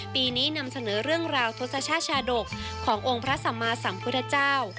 ปีนี้นำเสนอเรื่องราวทศชาดกขององค์พระสัมมาสัมพุทธเจ้า